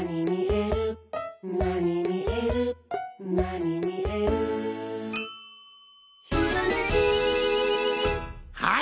「なにみえるなにみえる」「ひらめき」はい！